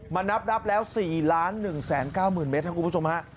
นับแล้ว๔๑๙๐๐เมตรครับคุณผู้ชมฮะ